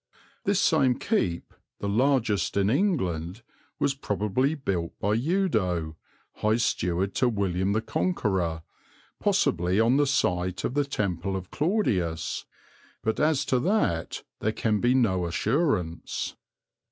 This same keep, the largest in England, was probably built by Eudo, high steward to William the Conqueror, possibly on the site of the temple of Claudius, but as to that there can be no assurance.